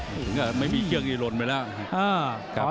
ถึงไม่มีเครื่องนี้ลดไปแล้ว